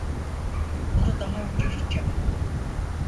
Bunu daha önce hiç yapmadım.